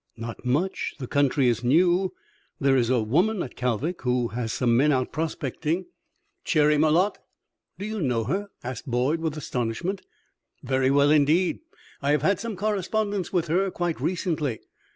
"Not much; the country is new. There is a woman at Kalvik who has some men out prospecting." "Cherry Malotte?" "Do you know her?" asked Boyd, with astonishment. "Very well, indeed. I have had some correspondence with her quite recently."